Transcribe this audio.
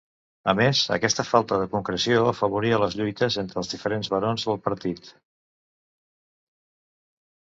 A més, aquesta falta de concreció afavoria les lluites entre els diferents barons del partit.